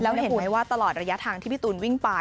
แล้วเห็นไหมว่าตลอดระยะทางที่พี่ตูนวิ่งไป